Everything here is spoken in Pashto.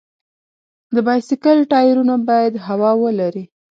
د بایسکل ټایرونه باید هوا ولري.